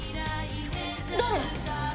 誰？